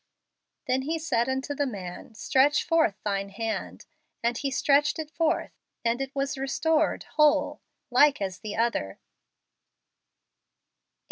" Then he said unto the man, Stretch forth thine hand. And he stretched it forth; and it icas re¬ stored ichole, like as the other" 8.